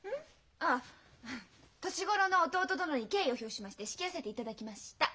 ああ年頃の弟殿に敬意を表しまして仕切らさせていただきました。